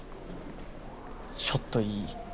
ちょっといい？